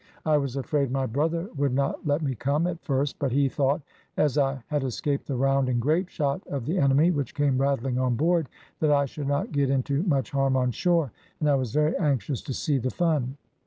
"I was afraid my brother would not let me come, at first, but he thought, as I had escaped the round and grape shot of the enemy which came rattling on board, that I should not get into much harm on shore, and I was very anxious to see the fun."